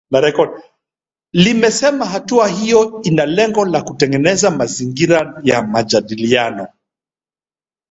Limesema hatua hiyo ina lengo la kutengeneza mazingira ya majadiliano .